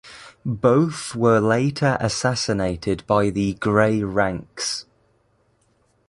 Both were later assassinated by the Gray Ranks.